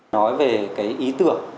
nói về cái ý tưởng